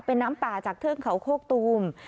เป็นน้ำป่าจากเทือกเขาโคกตูม